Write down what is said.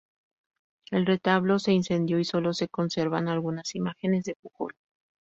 El retablo se incendió y sólo se conservan algunas imágenes de Pujol.